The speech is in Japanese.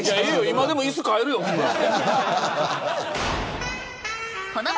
今でも椅子変えるよ、それなら。